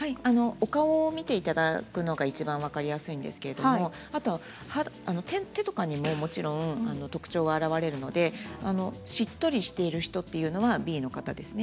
お顔を見ていただくのがいちばん分かりやすいんですけどあとは手とかにももちろん特徴が現れるのでしっとりしている人というのはＢの方ですね。